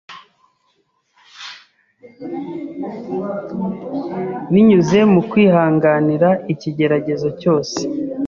binyuze mu kwihanganira ikigeragezo cyose